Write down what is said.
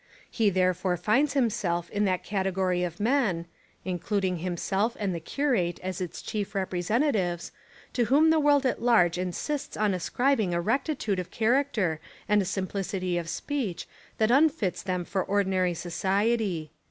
He there fore finds himself in that category of men, — including himself and the curate as its chief representatives, — to whom the world at large insists on ascribing a rectitude of character and a simplicity of speech that unfits them for ordi nary society.